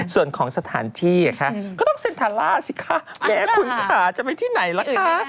ส่วนของสถานที่ก็ต้องเซ็นทาร่าสิคะแหมคุณขาจะไปที่ไหนล่ะคะ